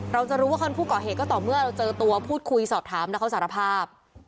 เราจะรู้ว่าผู้ก่อเหตุก็ต่อเมื่อเราเจอตัวพูดคุยสอบถามแล้วเขาสารภาพ